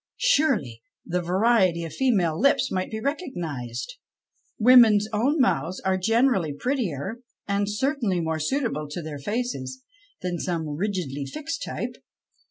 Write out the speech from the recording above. Surely the variety of female lips might be recognized ! Women's own mouths are generally prettier, and certainly more suitable to their faces, than some rigidly fixed type.